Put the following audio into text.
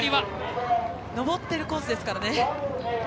上ってるコースですからね。